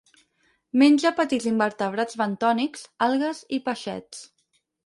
Menja petits invertebrats bentònics, algues i peixets.